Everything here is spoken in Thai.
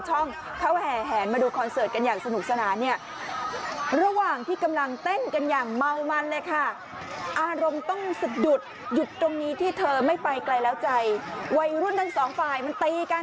จริงแล้วคอนเสิร์ตเขาแสดงตั้งแต่๒ถึงถึง๔ทุ่มใช่ไหมคะ